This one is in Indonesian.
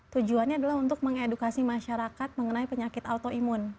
tujuannya adalah untuk mengedukasi masyarakat mengenai penyakit autoimun